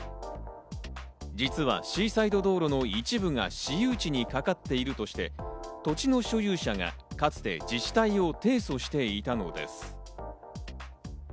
実はシーサイド道路の一部が私有地にかかっているとして、土地の所有者がかつて自治体を提訴していたのです。